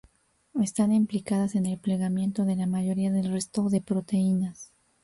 Están implicadas en el plegamiento de la mayoría del resto de proteínas.